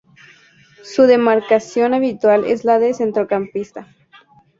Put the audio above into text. Su demarcación habitual es la de centrocampista.